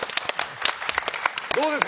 どうですか？